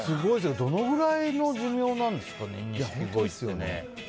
どのぐらいの寿命なんですかね。